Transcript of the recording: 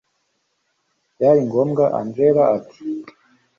byari ngombwa angella ati